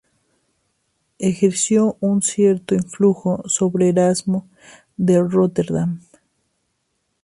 Ejerció un cierto influjo sobre Erasmo de Róterdam.